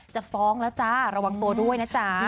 จะฟ้องแล้วจ้าระวังตัวด้วยนะจ๊ะ